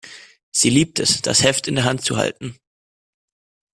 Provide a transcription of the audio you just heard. Sie liebt es, das Heft in der Hand zu halten.